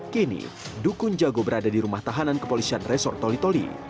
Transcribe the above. kini dukun jagur berada di rumah tahanan kepolisian resort tolitoli